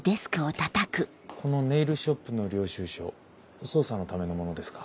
このネイルショップの領収書捜査のためのものですか？